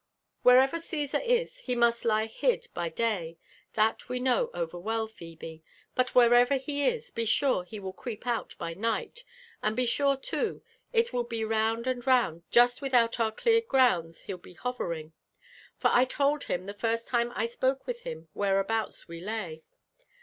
Wherever Gtesar ia* he must Ito bid jby day that we know over well, Phebe : but wherever he is, be sure he will creep out by night, ^nd be sure, loo, it will be round and round jusi without our cleared grounds he'll be hovering; for I %M him tbe first time I spoke with htm whereabouts we lay.